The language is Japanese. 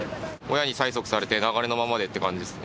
親に催促されて、流れのままでって感じですね。